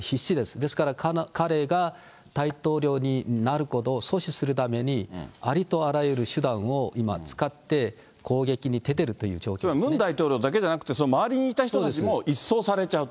ですから、彼が大統領になることを阻止するために、ありとあらゆる手段を今、使って、ムン大統領だけではなくて、その周りにいた人たちも一掃されちゃうと。